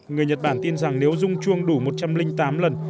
người nhật bản tin rằng nếu rung chuông đủ một trăm linh tám lần